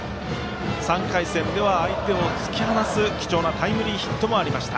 ３回戦では相手を突き放す貴重なタイムリーヒットもありました。